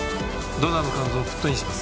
ドナーの肝臓をプットインします。